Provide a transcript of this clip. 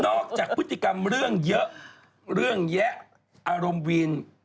จากพฤติกรรมเรื่องเยอะเรื่องแยะอารมณ์วีน